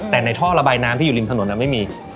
แต่ในท่อระบายน้ำที่อยู่ริมถนนไม่มี